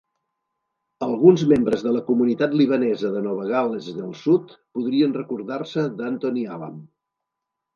Alguns membres de la comunitat libanesa de Nova Gal·les del Sud podrien recordar-se d'Anthony Alam.